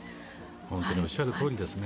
本当におっしゃるとおりですね。